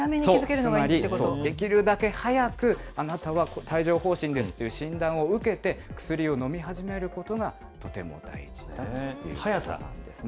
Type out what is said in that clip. つまりできるだけ早くあなたは帯状ほう疹ですという診断を受けて、薬を飲み始めることがとても大事だということなんですね。